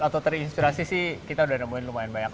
atau terinspirasi sih kita sudah menemukan lumayan banyak